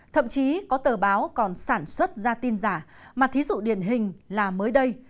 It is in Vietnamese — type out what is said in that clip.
thậm chí có tờ báo còn sản xuất ra tin giả mà thí dụ điển hình là mới đây